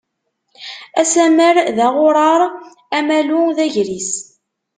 Asammer d aɣuṛaṛ, amalu d agris.